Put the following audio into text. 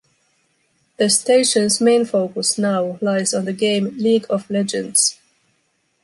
The station’s main focus now lies on the game League of Legends.